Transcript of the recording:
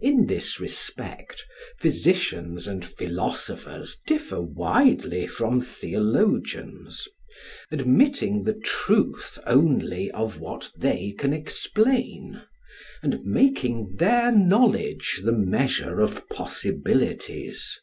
In this respect physicians and philosophers differ widely from theologians; admitting the truth only of what they can explain, and making their knowledge the measure of possibilities.